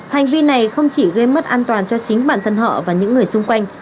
hành vi này không chỉ gây mất an toàn cho chính bản thân họ và những người xung quanh